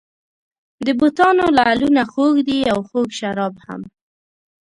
د بتانو لعلونه خوږ دي او خوږ شراب هم.